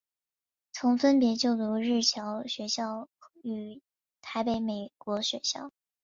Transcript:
曾分别就读日侨学校与台北美国学校。